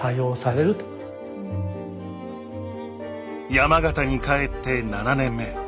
山形に帰って７年目。